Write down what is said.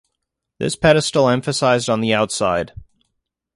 This pedestal emphasized on the outside.